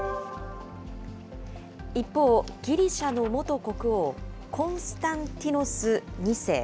一方、ギリシャの元国王、コンスタンティノス２世。